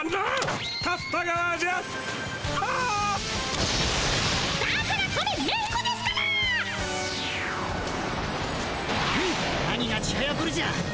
フン何が「ちはやぶる」じゃ。